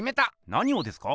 何をですか？